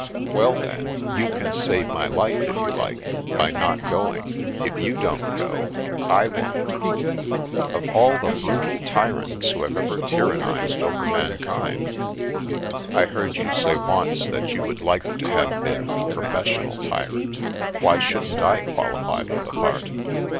" Well, then, you can save my life if you like, by not going. If you don't go, I won't." Rank Tyranny 221 " Of all the brutal tyrants who have tyrannised over mankind "" I heard you say once that you would like to have been a professional tyrant. Why shouldn't I qual ify for the part